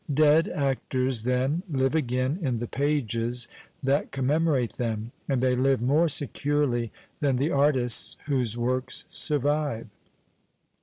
Dead actors, then, live again in the pages that commemorate them, and they live more securely than the artists whose works survive.